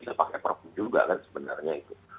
bisa pakai perfu juga kan sebenarnya itu